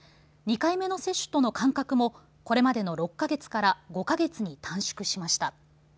２回目の接種との間隔もこれまでの６か月から５か月に短縮しました。